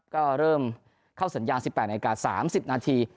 ก็เริ่มเข้าสัญญาณสิบแปดนาฬิกาสามสิบนาที